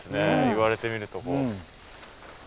言われてみると。